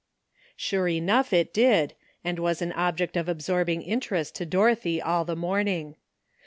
Sure enough it did, and was an object of absorbing interest to Dorothy all the morning.